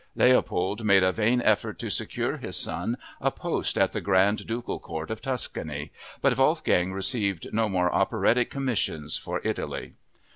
Leopold made a vain effort to secure his son a post at the Grand Ducal Court of Tuscany, but Wolfgang received no more operatic commissions for Italy.